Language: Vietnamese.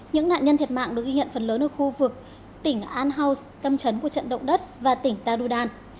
những nạn nhân thiệt mạng được ghi nhận phần lớn ở khu vực tỉnh al haus tâm trấn của trận động đất và tỉnh tarudan